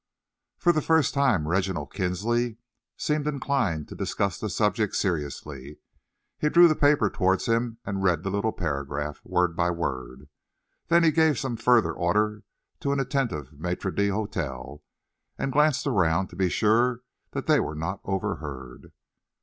For the first time Reginald Kinsley seemed inclined to discuss the subject seriously. He drew the paper towards him and read the little paragraph, word by word. Then he gave some further order to an attentive maitre d'hotel and glanced around to be sure that they were not overheard.